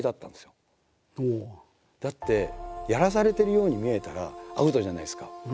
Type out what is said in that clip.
だってやらされてるように見えたらアウトじゃないですか。